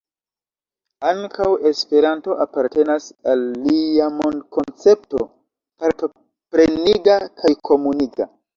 Ankaŭ Esperanto apartenas al lia mondkoncepto partopreniga kaj komuniga.